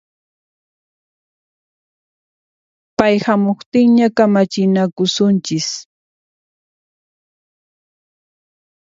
Pay hamuqtinña kamachinakusunchis